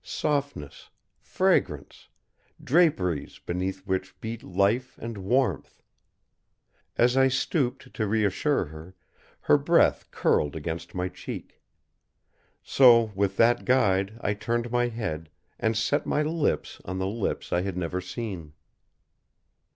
Softness, fragrance, draperies beneath which beat life and warmth. As I stooped to reassure her, her breath curled against my cheek. So with that guide I turned my head, and set my lips on the lips I had never seen.